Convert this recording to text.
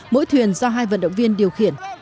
mỗi thuyền do hai vận động viên điều khiển